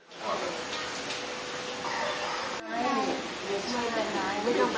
สวัสดีครับสวัสดีครับ